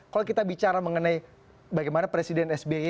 kalau kita bicara mengenai bagaimana presiden sby